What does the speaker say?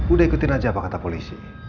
udah ikutin aja apa kata polisi